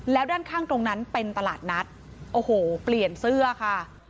แล้วด้านข้างตรงนั้นเป็นตลาดนัดโอ้โหเปลี่ยนเสื้อค่ะ